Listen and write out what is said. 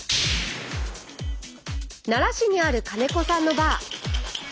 奈良市にある金子さんのバー。